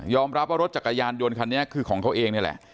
รับว่ารถจักรยานยนต์คันนี้คือของเขาเองนี่แหละ